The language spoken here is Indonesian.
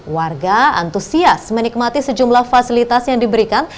warga antusias menikmati sejumlah fasilitas yang diberikan